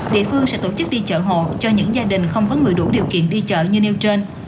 địa phương sẽ tổ chức đi chợ hộ cho những gia đình không có người đủ điều kiện đi chợ như nêu trên